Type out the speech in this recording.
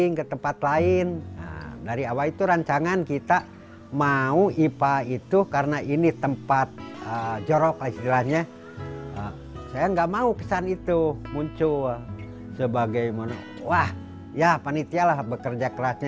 gatel gatel sama sakit perut